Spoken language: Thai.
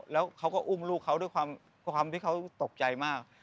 แล้วเขาก็อุ้มลูกเขาด้วยความที่เขาตกใจมาก